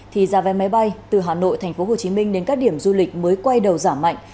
thì giá vé máy bay từ hà nội tp hcm đến các điểm du lịch mới quay đầu giảm mạnh